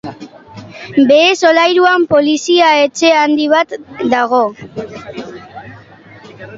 Behe solairuan polizia etxe handi bat dago.